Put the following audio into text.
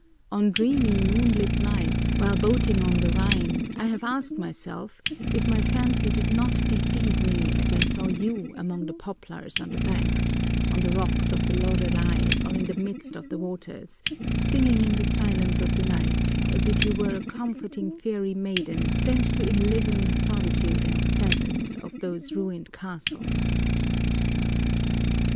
On dreamy, moonlit nights, while boating oil the Rhine, I have asked myself if my fancy did not deceive me as I saw you among the poplars on the banks, on the rocks of the Lorelei, or in the midst of the waters, singing in the silence of the night as if you were a comforting fairy maiden sent to enliven the solitude and sadness of those ruined castles!"